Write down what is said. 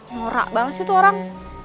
norak banget sih tuh orang